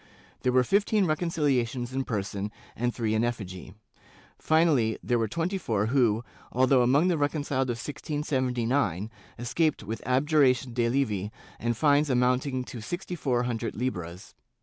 There were fifteen reconciliations in person and three in effigy. Finally there were twenty four who, although among the reconciled of 1679, escaped with abjuration de levi and fines amounting to sixty four hundred hbras.